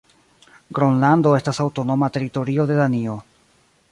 Gronlando estas aŭtonoma teritorio de Danio.